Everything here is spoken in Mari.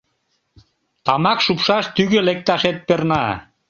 Тамак шупшаш тӱгӧ лекташет перна.